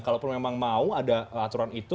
kalaupun memang mau ada aturan itu